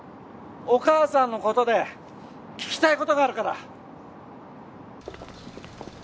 お母さんのことで聞きたいことがあるから。